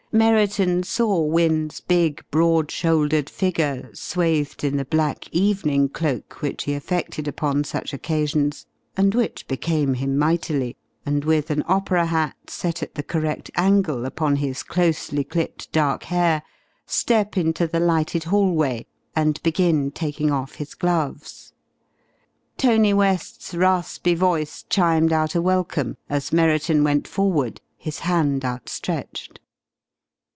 Merriton saw Wynne's big, broad shouldered figure swathed in the black evening cloak which he affected upon such occasions, and which became him mightily, and with an opera hat set at the correct angle upon his closely clipped dark hair, step into the lighted hallway, and begin taking off his gloves. Tony West's raspy voice chimed out a welcome, as Merriton went forward, his hand outstretched.